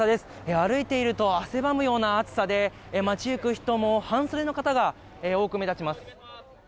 歩いてると汗ばむような暑さで街ゆく人も半袖の方が多く目立ちます。